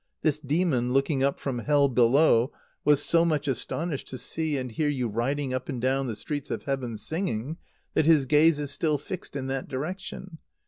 This demon, looking up from hell below, was so much astonished to see and hear you riding up and down the streets of heaven singing, that his gaze is still fixed in that direction.